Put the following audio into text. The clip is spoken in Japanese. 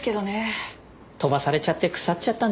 飛ばされちゃって腐っちゃったんでしょう。